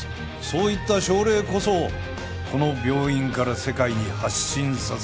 そういった症例こそこの病院から世界に発信させなければなりません。